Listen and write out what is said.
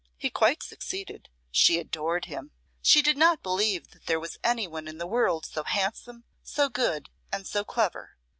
He quite succeeded. She adored him. She did not believe that there was anyone in the world so handsome, so good, and so clever.